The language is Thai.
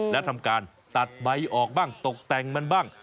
และทำการตัดใบออกบ้างตกแต่งมันบ้าง